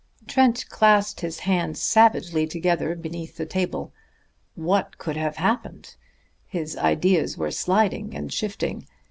Trent clasped his hands savagely together beneath the table. What could have happened? His ideas were sliding and shifting.